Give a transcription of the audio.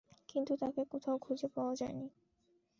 কিন্তু তাকে কোথাও খুঁজে পাওয়া যায়নি।